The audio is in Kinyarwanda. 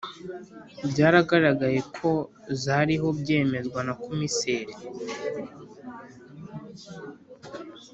byagaragaye ko zariho byemezwa na komiseri